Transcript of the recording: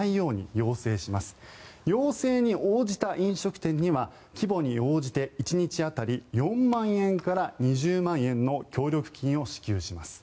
要請に応じた飲食店には規模に応じて１日当たり４万円から２０万円の協力金を支給します。